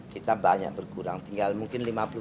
kita banyak berkurang tinggal mungkin